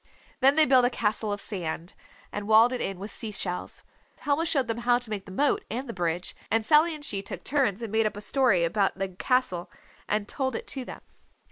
Then they built a castle of sand, and walled it in with sea shells. Helma showed them how to make the moat and the bridge, and Sally and she took turns and made up a story about the castle and told it to them.